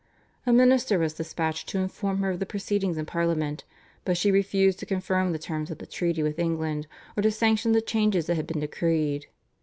A minister was dispatched to inform her of the proceedings in Parliament, but she refused to confirm the terms of the treaty with England, or to sanction the changes that had been decreed.